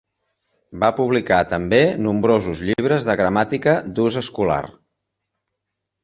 Va publicar també nombrosos llibres de gramàtica d'ús escolar.